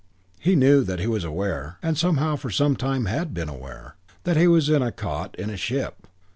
He knew that he was aware and somehow for some time had been aware that he was in a cot in a ship.